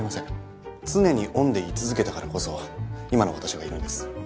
常にオンで居続けたからこそ今の私はいるんです。